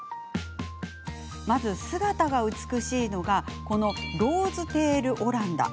まず、姿が美しいのがこのローズテールオランダ。